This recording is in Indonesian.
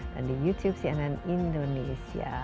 dan di youtube cnn indonesia